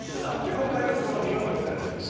今回の商品はこちらでございます。